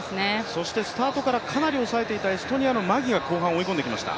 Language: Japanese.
そしてスタートからかなり抑えていたエストニアのマギは後半、追い込んできました。